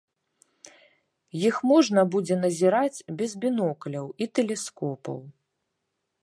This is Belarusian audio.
Іх можна будзе назіраць без бінокляў і тэлескопаў.